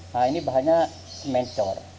nah ini bahannya mencor